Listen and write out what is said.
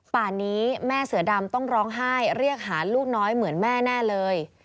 ป่านนี้แม่เสือดำต้องร้องไห้เรียกหาลูกน้อยเหมือนแม่แน่เลย